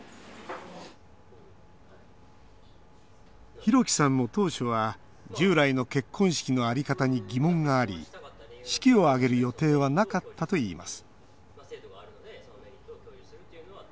ひろきさんも当初は従来の結婚式の在り方に疑問があり式を挙げる予定はなかったといいます